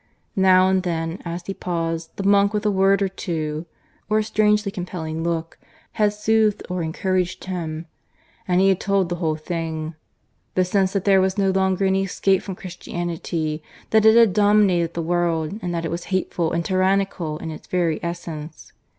Now and then, as he paused, the monk with a word or two, or a strangely compelling look, had soothed or encouraged him. And he had told the whole thing the sense that there was no longer any escape from Christianity, that it had dominated the world, and that it was hateful and tyrannical in its very essence.